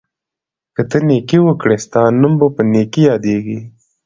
که ته نېکي وکړې، ستا نوم به په نېکۍ یادیږي.